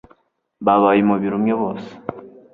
babaye umubiri umwe bose